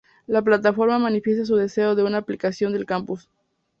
La plataforma manifiesta su deseo de una ampliación del Campus.